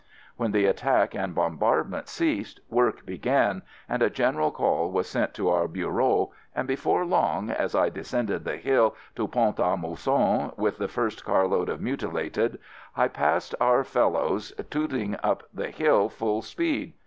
When the attack and bombardment ceased, work began, and a general call was sent to our Bureau, and before long, as I descended the hill to Pont a Mousson with the first carload of mutilated, I passed our fellows tooting up the hill full speed.